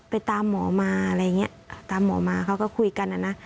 ไปตามหมอมาอะไรอย่างเงี้ยตามหมอมาเขาก็คุยกันนะนะ